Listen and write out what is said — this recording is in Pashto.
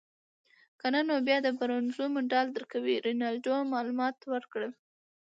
که نه نو بیا د برونزو مډال درکوي. رینالډي معلومات ورکړل.